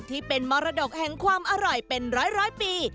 ที่เป็นมรดกแห่งความอร่อยเป็นร้อยปี